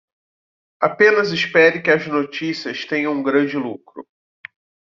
Apenas espere que as notícias tenham um grande lucro.